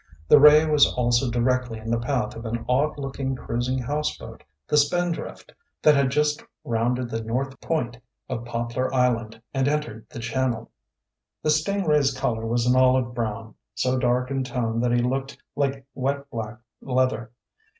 The ray was also directly in the path of an odd looking cruising houseboat, the Spindrift, that had just rounded the north point of Poplar Island and entered the channel. The sting ray's color was an olive brown, so dark in tone that he looked like wet black leather.